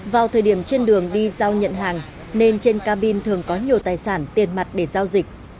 vào thời điểm trên đường đi giao nhận hàng nên trên cabin thường có nhiều tài sản tiền mặt để giao dịch